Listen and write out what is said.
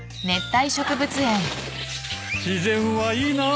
自然はいいな。